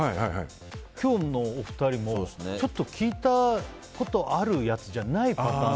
今日のお二人もちょっと聞いたことあるやつじゃないパターン。